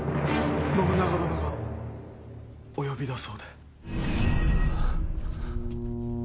信長殿がお呼びだそうで。